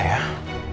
iya gak ada ya